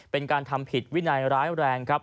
เป็นการทำผิดวินัยร้ายแรงครับ